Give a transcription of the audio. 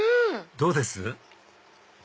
どうです？